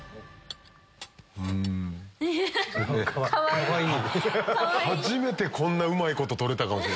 かわいい！